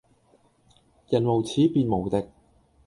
人無恥便無敵